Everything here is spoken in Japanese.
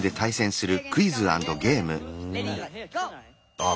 ああ